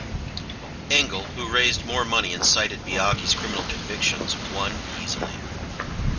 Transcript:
Engel, who raised more money and cited Biaggi's criminal convictions, won easily.